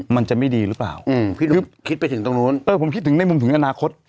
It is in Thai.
มันจะไม่ดีหรือเปล่าคิดไปถึงตรงนู้นเออผมคิดถึงในมุมถึงอนาคต